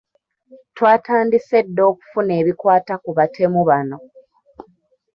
Twatandise dda okufuna ebikwata ku batemu bano.